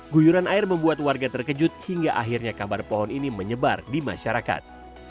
guyuran air membuat warga terkejut hingga akhirnya kabar pohon ini menyebar di masyarakat